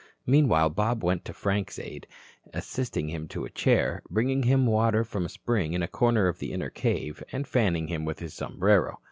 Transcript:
Meanwhile, Bob went to Frank's aid, assisting him to a chair, bringing him water from a spring in a corner of the inner cave and fanning him with his sombrero.